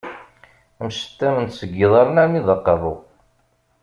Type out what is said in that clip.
Mcettament seg yiḍaṛṛen armi d aqeṛṛu.